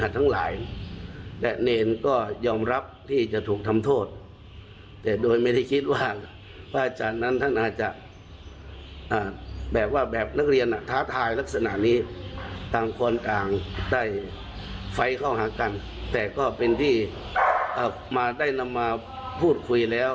แต่ก็เป็นที่มาได้นำมาพูดคุยแล้ว